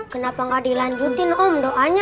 kenapa gak dilanjutin om doanya